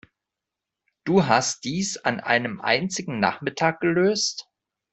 Du hast dies an einem einzigen Nachmittag gelöst?